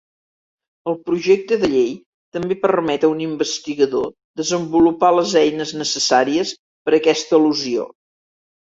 El projecte de llei també permet a un investigador desenvolupar les eines necessàries per a aquesta elusió.